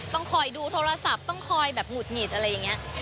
ต้องคอยดูโทรศัพท์ต้องคอยแบบหงุดหงิดอะไรอย่างนี้